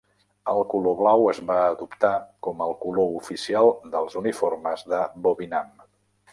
El color blau es va adoptar com el color oficial dels uniformes de Vovinam.